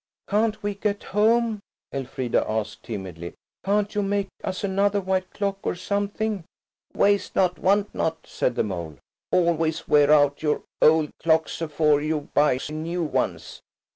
"Can't we get home?" Elfrida asked timidly. "Can't you make us another white clock, or something?" "Waste not, want not," said the mole. "Always wear out your old clocks afore you buys new 'uns.